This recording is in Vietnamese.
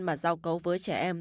mà giao cấu với trẻ em